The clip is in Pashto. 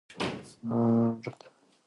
هغې باید خپل ځان ساتلی وای.